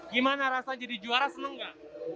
gimana rasa jadi juara senang gak